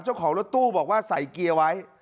เจ้าของรถตู้บอกว่าใส่เกียร์ไว้